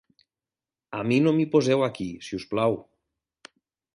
A mi no m'hi poseu aquí, si us plau.